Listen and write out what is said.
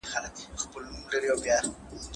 هغه څوک چي لاس مينځي روغ وي،